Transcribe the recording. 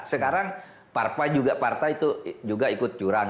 sekarang partai juga ikut curang